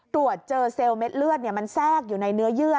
ตรวจเจอเซลล์เม็ดเลือดมันแทรกอยู่ในเนื้อเยื่อ